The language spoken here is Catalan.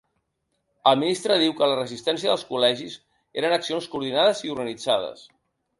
El ministre diu que la resistència dels col·legis eren accions coordinades i organitzades.